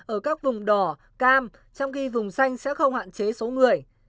ở các vùng đỏ cam trong khi vùng xanh sẽ không hạn chế số người